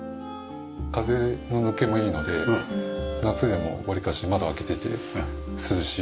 風の抜けもいいので夏でもわりかし窓を開けてて涼しいですね。